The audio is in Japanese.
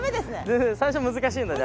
最初難しいので。